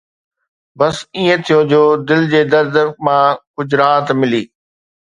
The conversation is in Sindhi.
بس ائين ٿيو جو دل جي درد مان ڪجهه راحت ملي